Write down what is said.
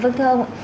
vâng thưa ông